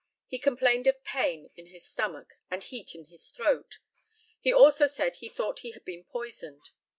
He complained of pain in his stomach, and heat in his throat. He also said he thought he had been poisoned.